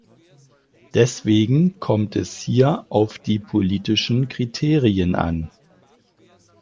Deswegen kommt es hier auf die politischen Kriterien an.